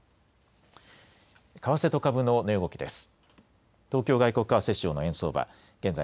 為替と株の値動きです。